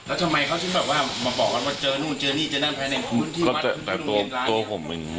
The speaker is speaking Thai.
แล้วทำไมเขาจะแบบว่ามาบอกว่าเจอนู่นเจอนี่เจอนั่นภายในคุณที่มัน